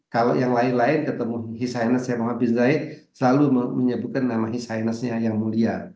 kalau yang lain lain ketemu his highness yang sama bisnaya selalu menyebutkan nama his highnessnya yang mulia